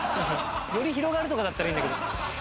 「より広がる」とかだったらいいんだけど。